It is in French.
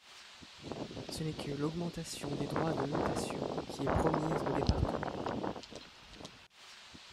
Ce n’est que l’augmentation des droits de mutation qui est promise aux départements.